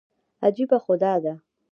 عجیبه خو دا ده.